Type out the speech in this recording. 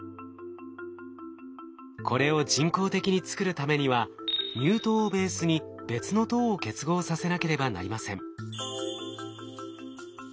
これを人工的に作るためには乳糖をベースに別の糖を結合させなければなりません。